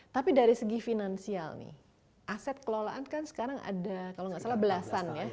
tapi dari segi finansial nih aset kelolaan kan sekarang ada kalau nggak salah belasan ya